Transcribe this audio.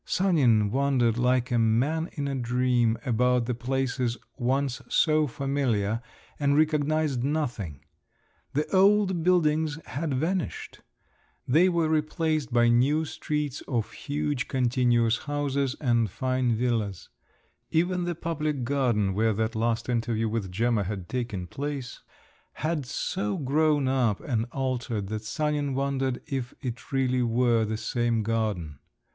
Sanin wandered like a man in a dream about the places once so familiar, and recognised nothing; the old buildings had vanished; they were replaced by new streets of huge continuous houses and fine villas; even the public garden, where that last interview with Gemma had taken place, had so grown up and altered that Sanin wondered if it really were the same garden.